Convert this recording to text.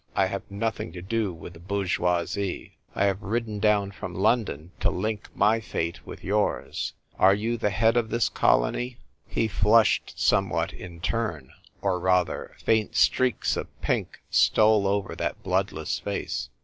I have nothing to do with the bourgeoisie. I have ridden down from London to link my fate with 3'ours. Are you the head of this colony ?" He flushed somewhat in turn — or rather, faint streaks of pink stole over that bloodless face.